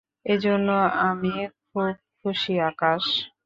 এজন্য আমি খুব খুশী আকাশ।